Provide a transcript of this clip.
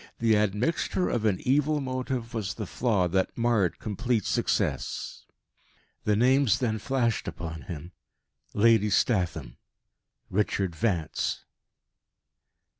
The admixture of an evil motive was the flaw that marred complete success. The names then flashed upon him Lady Statham Richard Vance.